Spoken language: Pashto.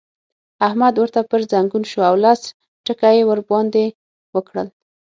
احمد ورته پر ځنګون شو او لس ټکه يې ور باندې وکړل.